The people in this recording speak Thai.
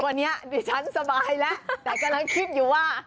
วันนี้ดิฉันสบายแล้วแต่กำลังคิดอยู่ว่า